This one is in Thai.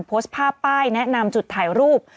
โพสต์ภาพป้ายแนะนำจุดถ่ายรูป